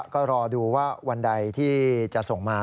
ก็รอดูว่าวันใดที่จะส่งมา